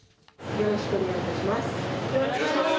よろしくお願いします。